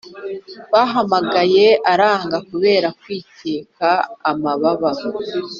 Bahamagaye aranga kubera kwikeka amababa